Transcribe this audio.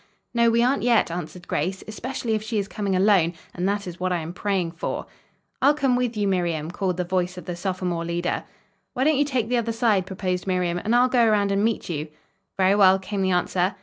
"No we aren't yet," answered Grace. "Especially if she is coming alone, and that is what I am praying for." "I'll come with you, Miriam," called the voice of the sophomore leader. "Why don't you take the other side?" proposed Miriam. "And I'll go around and meet you." "Very well," came the answer.